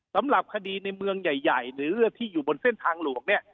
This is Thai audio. สำหรับคดีในเมืองใหญ่หรือที่อยู่บนเส้นทางหลวงเนี่ย